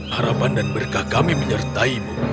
harapan dan berkah kami menyertaimu